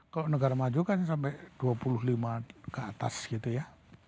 kalau negara maju kan sampai dua puluh lima ke atas gitu ya